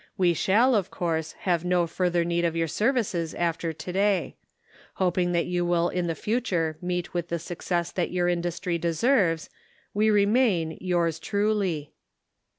We shall, of course, have no further need of your services after to day. Hoping that you will in the future meet with the success that your indus try deserves, we remain, yours truly."